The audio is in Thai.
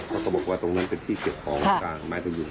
เขาก็บอกว่าตรงนั้นเป็นที่เก็บของกลางหมายถึงอยู่